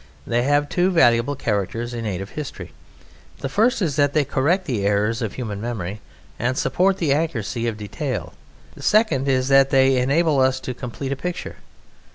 They have two valuable characters in aid of history; the first is that they correct the errors of human memory and support the accuracy of details; the second is that they enable us to complete a picture.